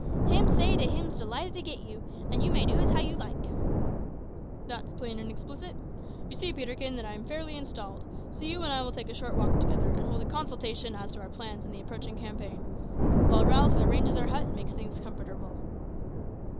"Hims say that him's delighted to git you, an' you may doos how you like." "That's plain and explicit. You see, Peterkin, that I'm fairly installed; so you and I will take a short walk together, and hold a consultation as to our plans in the approaching campaign, while Ralph arranges our hut and makes things comfortable."